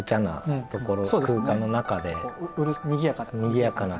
にぎやかな。